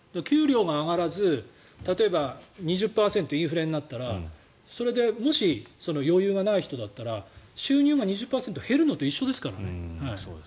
給料が上がらず例えば２０％インフレになったらそれでもし、余裕がない人だったら収入が２０％減るのと一緒ですからね。